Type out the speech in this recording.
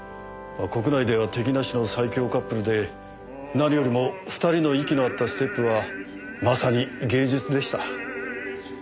国内では敵なしの最強カップルで何よりも２人の息の合ったステップはまさに芸術でした。